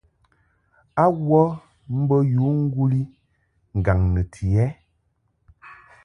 A wə mbə yǔ ŋguli ŋgaŋ nɨti ɛ ?